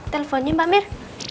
teleponnya pak mir